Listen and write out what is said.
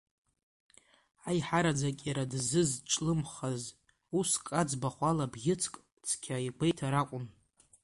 Аиҳараӡак иара дзызҿлымҳаз уск аӡбахә ала бӷьыцк цқьа игәеиҭар акәын.